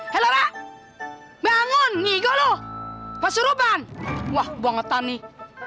hei lora bangun ngigolo pasuruban wah bangetan nih